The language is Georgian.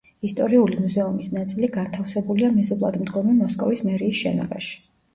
ისტორიული მუზეუმის ნაწილი განთავსებულია მეზობლად მდგომი მოსკოვის მერიის შენობაში.